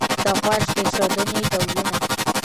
د غوږ ایښودنې ډولونه